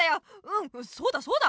うんそうだそうだ。